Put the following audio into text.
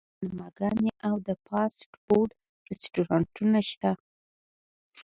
هلته ډیر سینماګانې او د فاسټ فوډ رستورانتونه شته